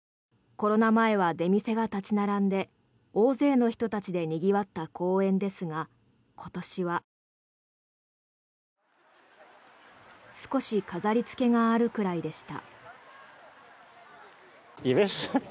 コロナ前は出店が立ち並んで大勢の人たちでにぎわった公園ですが今年は少し飾りつけがあるくらいでした。